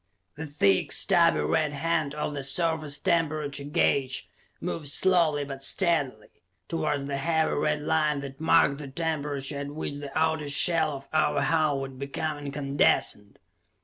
The thick, stubby red hand of the surface temperature gauge moved slowly but steadily towards the heavy red line that marked the temperature at which the outer shell of our hull would become incandescent.